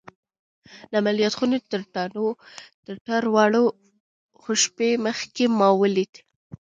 د عملیات خونې ته تر وړلو څو شېبې مخکې ما ولید